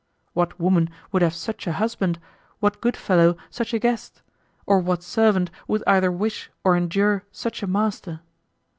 What woman would have such a husband, what goodfellow such a guest, or what servant would either wish or endure such a master?